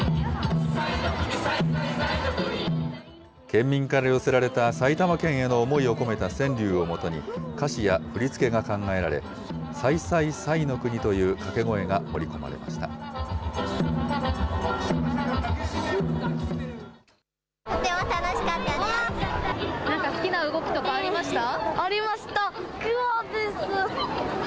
県民から寄せられた、埼玉県への思いを込めた川柳をもとに、歌詞や振り付けが考えられ、サイサイサイノ国というかけ声が盛り込まれました。